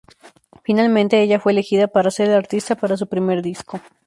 Finalmente ella fue elegida para ser la artista para su primer disco.